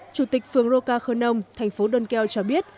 chủ tịch phường roca khơ nông thành phố đơn keo cho biết